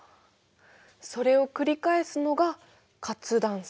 それを繰り返すのが活断層。